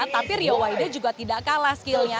tapi rio waida juga tidak kalah skillnya